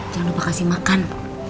jangan lupa kasih makan